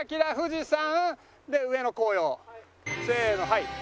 せーのはい。